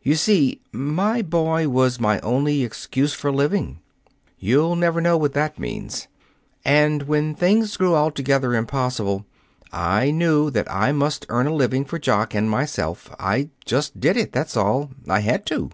You see, my boy was my only excuse for living. You'll never know what that means. And when things grew altogether impossible, and I knew that I must earn a living for Jock and myself, I just did it that's all. I had to."